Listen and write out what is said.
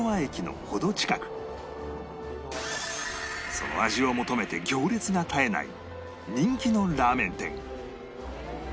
その味を求めて行列が絶えない人気のラーメン店